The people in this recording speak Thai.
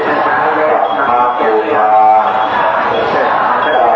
เพื่อนไฟซามผู้ร้าย